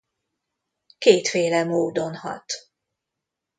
Kétféle módon hat.